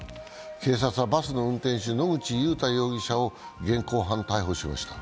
警察はバスの運転手野口祐太容疑者を現行犯逮捕しました。